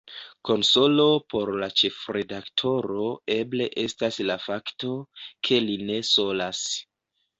Konsolo por la ĉefredaktoro eble estas la fakto, ke li ne solas.